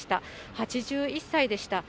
８１歳でした。